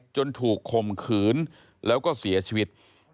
จนถูกข่มขืนแล้วก็เสียชีวิต